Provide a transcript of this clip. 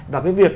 và cái việc